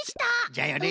じゃよね！